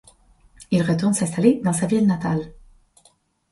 Il retourne s'installer dans sa ville natale.